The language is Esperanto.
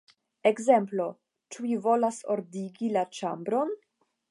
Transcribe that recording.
Ekzemplo: 'Ĉu vi volas ordigi la ĉambron?